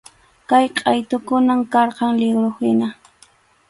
Kay qʼaytukunam karqan liwruhina.